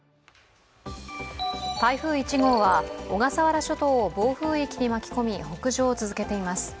台風１号は、小笠原諸島を暴風域に巻き込み、北上を続けています。